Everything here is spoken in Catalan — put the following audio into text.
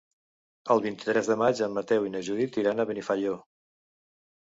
El vint-i-tres de maig en Mateu i na Judit iran a Benifaió.